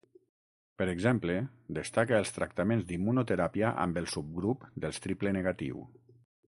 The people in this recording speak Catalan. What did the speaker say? Per exemple, destaca els tractaments d’immunoteràpia amb el subgrup dels triple negatiu.